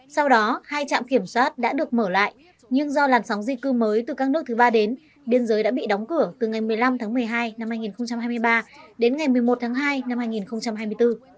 sau đó hai trạm kiểm soát đã được mở lại nhưng do làn sóng di cư mới từ các nước thứ ba đến biên giới đã bị đóng cửa từ ngày một mươi năm tháng một mươi hai năm hai nghìn hai mươi ba đến ngày một mươi một tháng hai năm hai nghìn hai mươi bốn